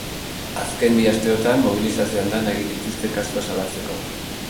Azken bi asteotan mobilizazio andana egin dituzte kasua salatzeko.